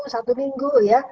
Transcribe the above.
satu minggu ya